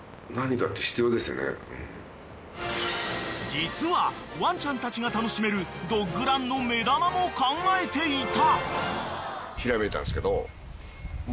［実はワンちゃんたちが楽しめるドッグランの目玉も考えていた］